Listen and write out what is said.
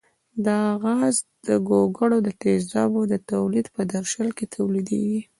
دا غاز د ګوګړو تیزابو د تولید په درشل کې تولیدیږي.